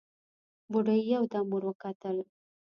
بوډۍ يودم ور وکتل: